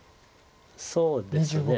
そうですね。